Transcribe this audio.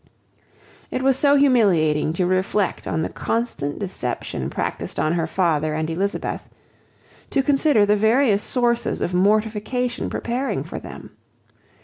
It was so humiliating to reflect on the constant deception practised on her father and Elizabeth; to consider the various sources of mortification preparing for them!